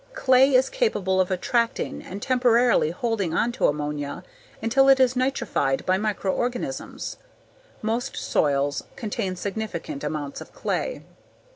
Clay is capable of attracting and temporarily holding on to ammonia until it is nitrified by microorganisms. Most soils contain significant amounts of clay.